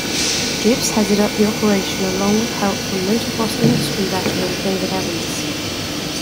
Gibbs headed up the operation along with help from motocross industry veteran David Evans.